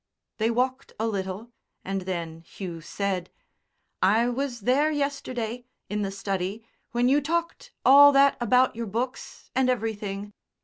They walked a little, and then Hugh said: "I was there yesterday, in the study, when you talked all that about your books, and everything."